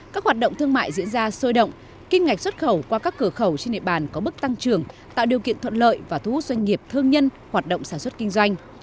các hoạt động thương mại diễn ra sôi động kinh ngạch xuất khẩu qua các cửa khẩu trên địa bàn có bước tăng trưởng tạo điều kiện thuận lợi và thu hút doanh nghiệp thương nhân hoạt động sản xuất kinh doanh